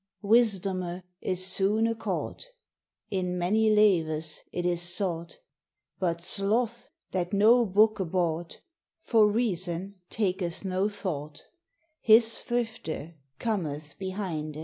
Wysedome is soone caught ; In many leues it is sought: But slouth, that no boke bought, For reason taketh no thought ; His thryfte cometh behynde.